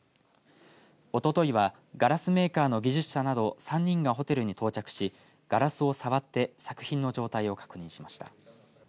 おとといはガラスメーカーの技術者など３人がホテルに到着しガラスを触って作品の状態を確認しました。